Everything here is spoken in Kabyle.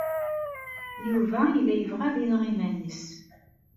Yuba yella yebɣa ad ineɣ iman-nnes.